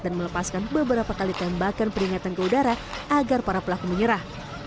dan melepaskan beberapa kali tembakan peringatan ke udara agar para pelaku menyerah